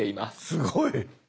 すごい！